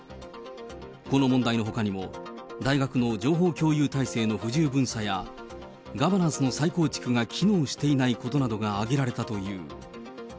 この問題のほかにも、大学の情報共有体制の不十分さや、ガバナンスの再構築が機能していないことなどが挙げられたという。